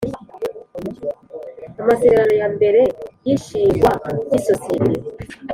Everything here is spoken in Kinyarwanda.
Amasezerano ya mbere y ishingwa ry isosiyete